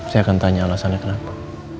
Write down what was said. saya akan tanya alasannya kenapa